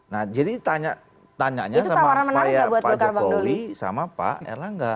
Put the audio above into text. nah jadi tanyanya sama pak jokowi sama pak erlangga